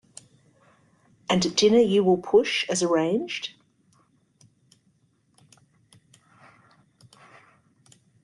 And at dinner you will push, as arranged?